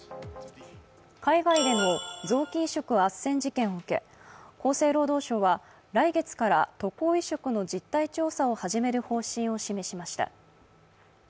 海外での臓器移植あっせん事件を受け、厚生労働省は来月から渡航移植の実態調査を始める方針を示しました。